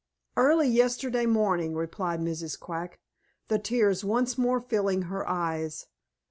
"Early yesterday morning," replied Mrs. Quack, the tears once more filling her eyes.